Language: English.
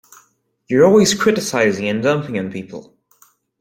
You're always criticizing and dumping on people.